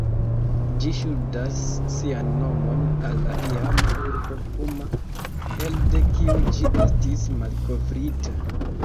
Ĝi ŝuldas sian nomon al la iama urbo Kuma, elde kiu ĝi estis malkovrita.